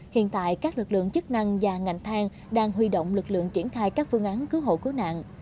hiện tại các lực lượng chức năng và ngành thang đang huy động lực lượng triển khai các phương án cứu hộ cứu nạn